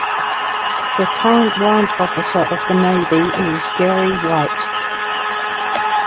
The current Warrant Officer of the Navy is Gary Wight.